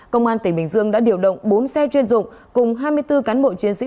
công an tỉnh bình dương đã điều động bốn xe chuyên dụng cùng hai mươi bốn cán bộ chiến sĩ